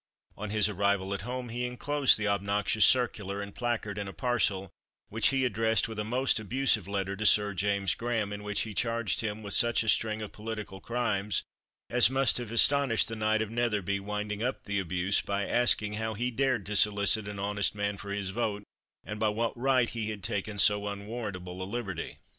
On his arrival at home he enclosed the obnoxious circular and placard in a parcel which he addressed with a most abusive letter to Sir James Graham, in which he charged him with such a string of political crimes as must have astonished the knight of Netherby, winding up the abuse by asking how he dared to solicit an honest man for his vote and by what right he had taken so unwarrantable a liberty.